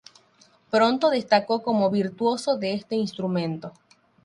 Pronto destacó como virtuoso de este instrumento.